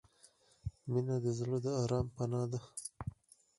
• مینه د زړه د آرام پناه ده.